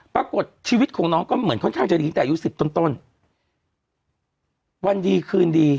ปรากฏชีวิตของน้องก็เหมือนค่อนข้างจะดีแต่อายุสิบต้นต้นวันดีคืนดี